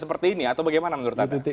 seperti ini atau bagaimana menurut anda